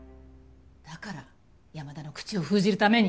だから山田の口を封じるために。